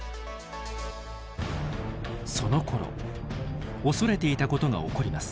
そのころ恐れていたことが起こります。